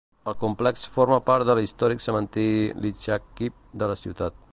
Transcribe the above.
El complex forma part de l'històric cementiri Lychakiv de la ciutat.